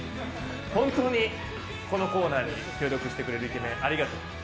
本当に、このコーナーに協力してくれるイケメンありがとう。